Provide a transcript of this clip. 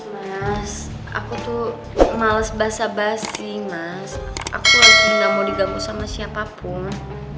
mas aku tuh males basa basi mas aku lagi gak mau digabung sama siapapun